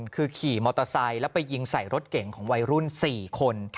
คือขี่มอเตอร์ไซค์แล้วไปยิงใส่รถเก่งของวัยรุ่น๔คน